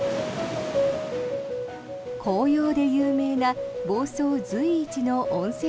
紅葉で有名な房総随一の温泉